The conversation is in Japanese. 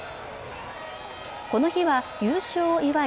この日は優勝を祝い